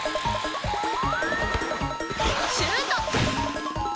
シュート！